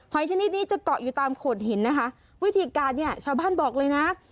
ชนิดนี้จะเกาะอยู่ตามโขดหินนะคะวิธีการเนี่ยชาวบ้านบอกเลยนะ